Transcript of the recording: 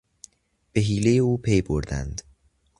به حیلهی او پیبردند.